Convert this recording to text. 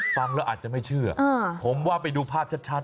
ฟังแล้วอาจจะไม่เชื่อผมว่าไปดูภาพชัด